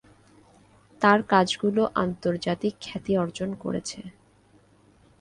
তার কাজগুলো আন্তর্জাতিক খ্যাতি অর্জন করেছে।